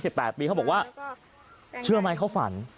๒๘ปีแล้วเขาบอกว่าเชื่อมั้ยเขาฝน